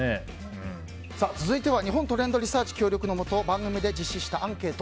続いては日本トレンドリサーチ協力のもと番組で実施したアンケート。